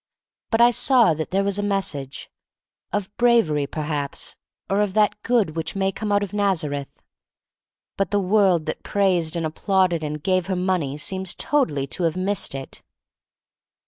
But I saw that there was a message — of brav ery, perhaps, or of that good which may come out of Nazareth. But the world that praised and applauded and gave her money seems totally to have missed it.